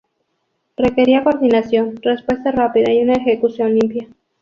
Requería coordinación, respuesta rápida, y una ejecución limpia.